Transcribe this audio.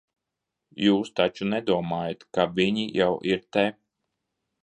Jūs taču nedomājat, ka viņi jau ir te?